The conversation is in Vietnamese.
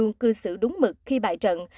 giữ đúng mực khi bại trận